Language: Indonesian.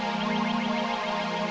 itu ini itu ini islam